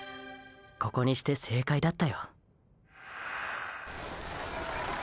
ここにして正解だったよ。